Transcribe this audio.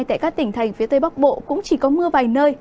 tại các tỉnh thành phía tây bắc bộ cũng chỉ có mưa vài nơi